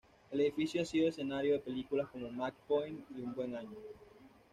El edificio ha sido escenario de películas como Match Point y Un buen año.